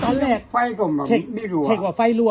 ตอนแรกไฟผมแบบไม่รัว